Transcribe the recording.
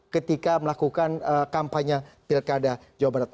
ketika melakukan kampanye pilkada jawa barat